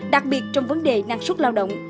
đặc biệt trong vấn đề năng suất lao động